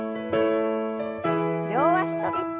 両脚跳び。